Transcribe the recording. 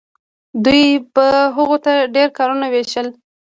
دوی به هغو ته ډیر کارونه ویشل.